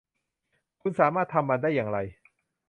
คุณสามารถทำมันได้อย่างไร